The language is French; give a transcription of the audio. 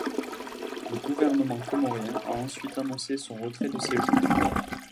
Le gouvernement comorien a ensuite annoncé son retrait de ces jeux.